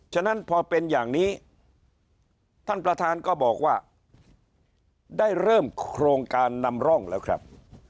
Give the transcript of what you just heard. ฉะนั้นพอเป็นอย่างนี้ท่านประธานก็บอกว่าได้เริ่มโครงการนำร่องแล้วครับ